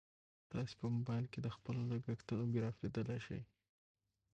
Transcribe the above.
تاسو په موبایل کې د خپلو لګښتونو ګراف لیدلی شئ.